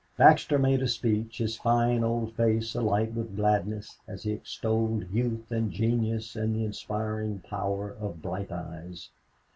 Baxter made a speech, his fine old face alight with gladness as he extolled youth and genius and the inspiring power of bright eyes.